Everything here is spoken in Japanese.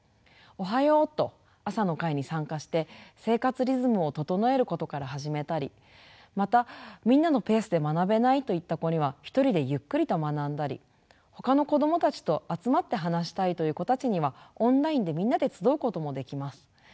「おはよう」と朝の会に参加して生活リズムを整えることから始めたりまたみんなのペースで学べないといった子には１人でゆっくりと学んだりほかの子どもたちと集まって話したいという子たちにはオンラインでみんなで集うこともできます。